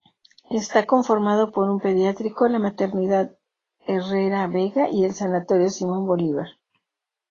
Está conformado por un pediátrico, la maternidad Herrera Vega y el Sanatorio Simón Bolívar.